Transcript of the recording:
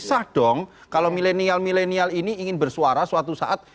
sadong kalau milenial milenial ini ingin bersuara suatu saat